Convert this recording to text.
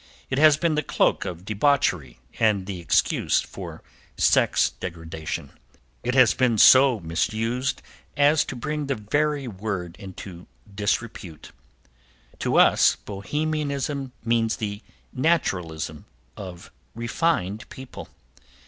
It has been the cloak of debauchery and the excuse for sex degradation. It has been so misused as to bring the very word into disrepute. To us Bohemianism means the naturalism of refined people.